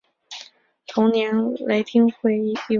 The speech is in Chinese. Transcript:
同年雷丁议会将原先的文理学院并入雷丁学院。